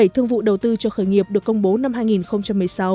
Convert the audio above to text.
sáu mươi bảy thương vụ đầu tư cho khởi nghiệp được công bố năm hai nghìn một mươi sáu